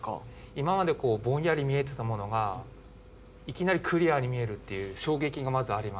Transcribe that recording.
今までこうぼんやり見えてたものがいきなりクリアに見えるっていう衝撃がまずありました。